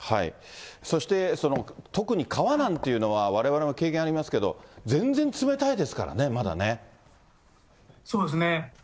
そして、特に川なんていうのは、われわれも経験ありますけど、全然冷たいそうですね。